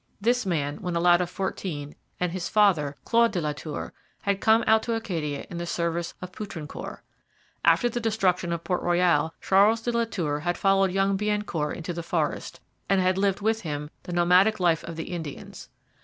This man, when a lad of fourteen, and his father, Claude de la Tour, had come out to Acadia in the service of Poutrincourt. After the destruction of Port Royal, Charles de la Tour had followed young Biencourt into the forest, and had lived with him the nomadic life of the Indians.